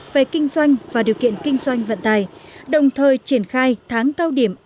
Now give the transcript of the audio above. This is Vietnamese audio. về kinh doanh và điều kiện kinh doanh vận tải đồng thời triển khai tháng cao điểm an toàn